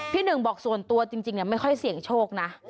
หนึ่งบอกส่วนตัวจริงไม่ค่อยเสี่ยงโชคนะ